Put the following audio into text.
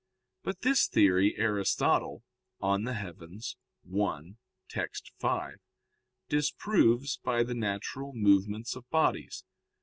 But this theory Aristotle (De Caelo i, text. 5) disproves by the natural movements of bodies.